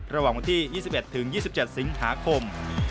ระหว่างวันที่๒๑๒๗สิงหาคม